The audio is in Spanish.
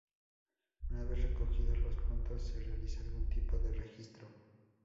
Una vez recogidos los puntos se realiza algún tipo de registro.